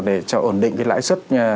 để cho ổn định cái lãi xuất